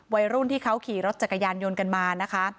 วัยรุ่นที่เขาขี่รถจักรยานยนต์กันมานะคะ